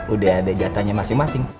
udah ada jatahnya masing masing